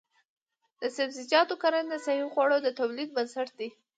د سبزیجاتو کرنه د صحي خوړو د تولید بنسټ دی.